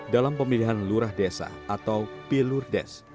dalam pemilihan lurah desa atau pilur des